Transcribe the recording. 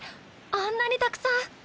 あんなにたくさん。